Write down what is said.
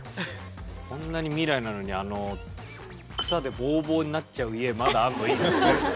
こんなに未来なのに草でボウボウになっちゃう家まだあるのいいですね。